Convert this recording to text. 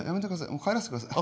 もう帰らせてください。